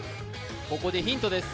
ここでヒントです